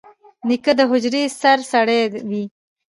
نیکه د حجرې سرسړی وي.